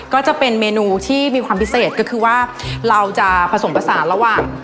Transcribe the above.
ก็จะเป็นเมนูที่มีความพิเศษก็คือว่าเราจะผสมผสานระหว่าง